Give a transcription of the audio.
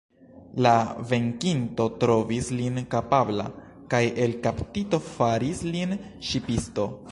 La venkinto trovis lin kapabla, kaj, el kaptito, faris lin ŝipisto.